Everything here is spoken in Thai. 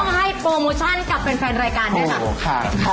ต้องให้โปรโมชั่นกลับเป็นแฟนรายการได้ค่ะ